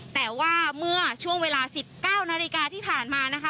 แต่ว่าเมื่อช่วงเวลา๑๙นาฬิกาที่ผ่านมานะคะ